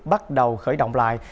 bắt đầu khởi động lại